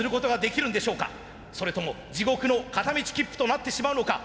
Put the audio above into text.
それとも地獄の片道切符となってしまうのか。